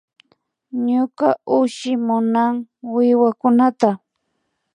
Ñuka ushushi munan wiwakunata